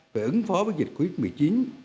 về ứng phó với dịch covid một mươi chín